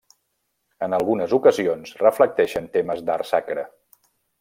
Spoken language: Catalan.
En algunes ocasions reflecteixen temes d’art sacre.